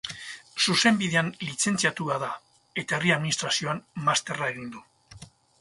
Zuzenbidean lizentziatua da eta Herri Administrazioan masterra egin du.